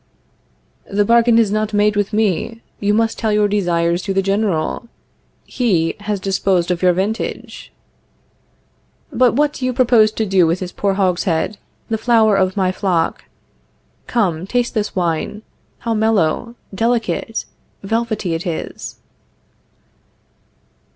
The bargain is not made with me. You must tell your desires to the General. He has disposed of your vintage. But what do you propose to do with this poor hogshead, the flower of my flock? Come, taste this wine. How mellow, delicate, velvety it is!